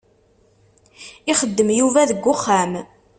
Ixeddem Yuba deg uxxam.